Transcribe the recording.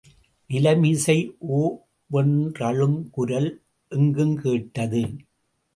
நிலமிசை ஓவென்றழுங்குரல் எங்குங்கேட்டது.